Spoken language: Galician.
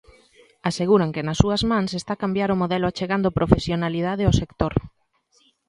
Aseguran que nas súas mans está cambiar o modelo achegando profesionalidade ao sector.